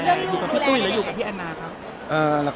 อยู่กับพี่ตุ้ยหรืออยู่กับพี่แอนนาครับ